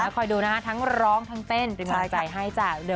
คอยดูนะคะทั้งร้องทั้งเต้นเป็นกำลังใจให้จ้ะ